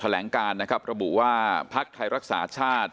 ยังออกแถลงการนะครับระบุว่าพลักษณ์ไทยรักษาชาติ